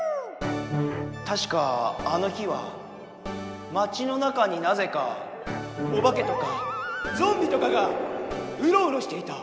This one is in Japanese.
たしかあの日は町の中になぜかおばけとかゾンビとかがうろうろしていた。